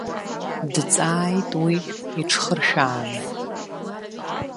Дҵааит уи иҽхыршәааны.